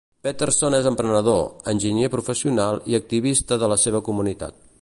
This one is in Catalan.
Peterson és emprenedor, enginyer professional i activista de la seva comunitat.